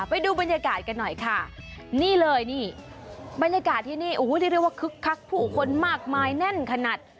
ไปดูบรรยากาศกันหน่อยค่ะนี่เลยนี่บรรยากาศที่นี่โอ้โหที่เรียกว่าคึกคักผู้คนมากมายแน่นขนาด